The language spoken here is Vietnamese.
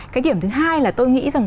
cái điểm thứ hai là tôi nghĩ rằng